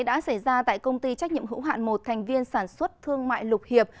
đã xảy ra tại công ty trách nhiệm hữu hạn một thành viên sản xuất thương mại lục hiệp